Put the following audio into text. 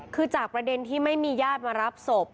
คือจากประเด็นที่ไม่มีญาติมารับศพ